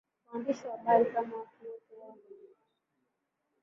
waandishi wa habari Kama watu wote watu